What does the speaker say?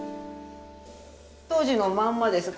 当時のまんまです。